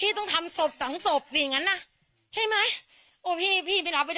ดิ้งอ่ะใครตายต้องตายตามกันไปเลย